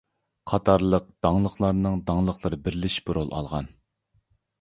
قاتارلىق داڭلىقلارنىڭ داڭلىقلىرى بىرلىشىپ رول ئالغان.